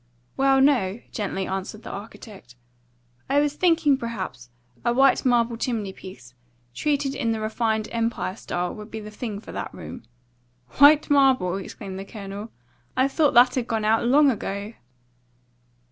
"Well, no," gently answered the architect. "I was thinking perhaps a white marble chimney piece, treated in the refined Empire style, would be the thing for that room." "White marble!" exclaimed the Colonel. "I thought that had gone out long ago."